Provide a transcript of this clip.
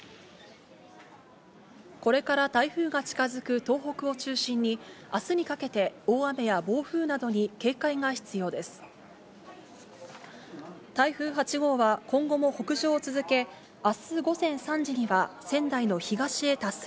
これから台風が近づく東北を中心に、あすにかけて、大雨や暴風などに警戒が必要です。